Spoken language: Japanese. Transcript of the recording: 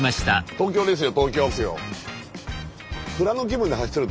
東京ですよ。